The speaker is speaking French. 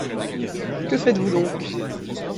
Que faites-vous donc?